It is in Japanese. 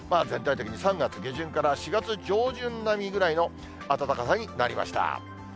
全体的に３月下旬から４月上旬並みぐらいの暖かさになりました。